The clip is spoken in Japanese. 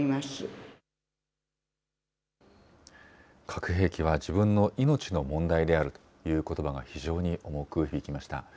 核兵器は自分の命の問題であるということばが非常に重く響きました。